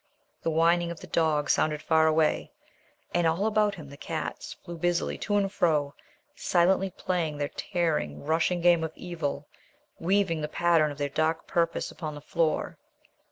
The whining of the dog sounded far away, and all about him the cats flew busily to and fro, silently playing their tearing, rushing game of evil, weaving the pattern of their dark purpose upon the floor.